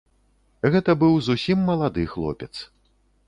Гэта быў зусім малады хлопец.